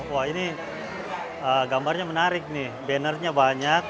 wah ini gambarnya menarik nih bannernya banyak